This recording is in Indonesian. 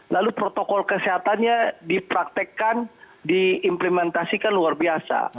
lalu protokol kesehatannya dipraktekkan diimplementasikan luar biasa